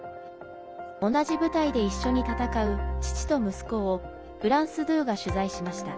同じ部隊で一緒に戦う父と息子をフランス２が取材しました。